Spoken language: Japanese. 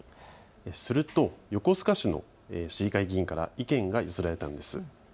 すると横須賀市の市議会議員から意見が寄せられたんです。